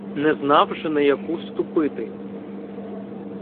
Не знав же на яку ступити